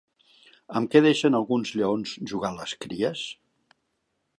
Amb què deixen alguns lleons jugar a les cries?